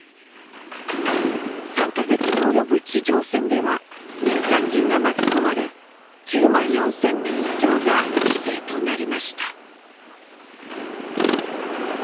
３か月に及ぶ地上戦では民間人が巻き込まれ９万４，０００人以上が犠牲となりました。